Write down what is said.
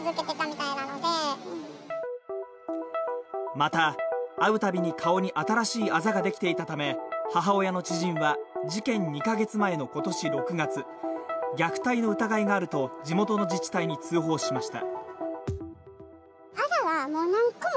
また、会うたびに顔に新しいあざができていたため母親の知人は事件２カ月前の今年６月、虐待の疑いがあると地元の自治体に通報しました。